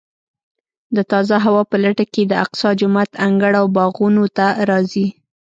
د تازه هوا په لټه کې د اقصی جومات انګړ او باغونو ته راځي.